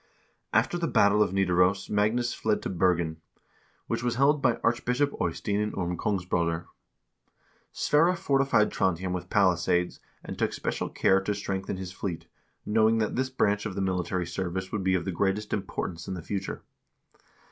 2 After the battle of Nidaros Magnus fled to Bergen, which was held by Archbishop Eystein and Orm Kongsbroder. Sverre fortified Trondhjem with palisades, and took special care to strengthen his fleet, knowing that this branch of the military service would be of the greatest importance in the future.